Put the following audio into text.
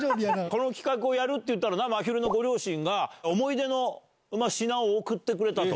この企画をやるって言ったら、まひるのご両親が、思い出の品を送ってくれたと。